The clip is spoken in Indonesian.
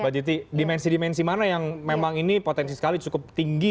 mbak jiti dimensi dimensi mana yang memang ini potensi sekali cukup tinggi